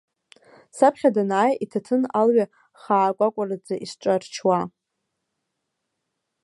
Саԥхьа данааи, иҭаҭын алҩа хаакәакәараӡа исҿарчуа.